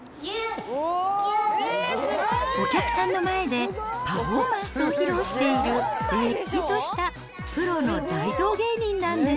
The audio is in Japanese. お客さんの前でパフォーマンスを披露しているれっきとしたプロの大道芸人なんです。